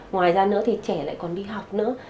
ngoài ra nữa trẻ lại còn bị tổn thương